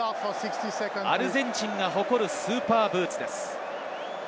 アルゼンチンが誇るスーパーブーツです。